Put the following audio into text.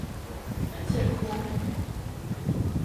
Ad terfum.